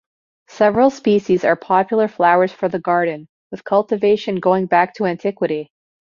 Several species are popular flowers for the garden, with cultivation going back to antiquity.